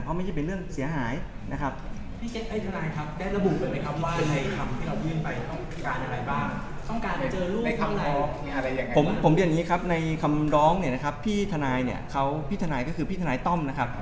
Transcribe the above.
พี่ทนายเนี่ยเขาพี่ทนายก็คือพี่ทนายต้อมนะครับ